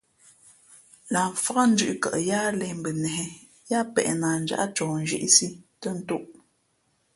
Lah mfák ndʉ̄p kαʼ yáhlēh mbα nehē yáá peʼ nah njáʼ coh nzhīʼsī tᾱ ntōʼ.